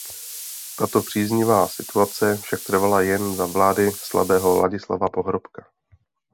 Tato příznivá situace však trvala jen za vlády slabého Ladislava Pohrobka.